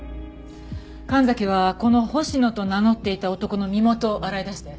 神崎はこの星野と名乗っていた男の身元を洗い出して。